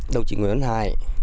đồng chí nguyễn văn hải